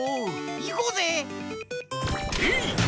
いこうぜ！てい！